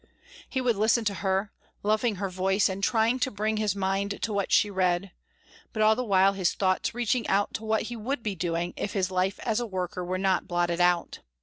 He would listen to her, loving her voice, and trying to bring his mind to what she read, but all the while his thoughts reaching out to what he would be doing if his life as worker were not blotted out.